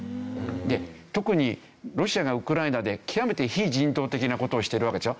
で特にロシアがウクライナで極めて非人道的な事をしてるわけでしょ。